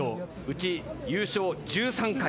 うち優勝１３回。